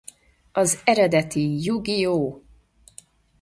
Az eredeti Yu-Gi-Oh!